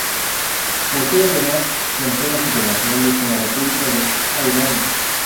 Posee, además, fronteras internacionales con la República de Albania.